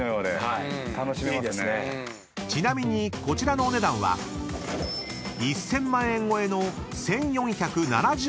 ［ちなみにこちらのお値段は１，０００万円超えの］